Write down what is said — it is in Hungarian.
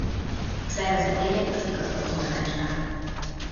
A szervezet élén az igazgatótanács áll.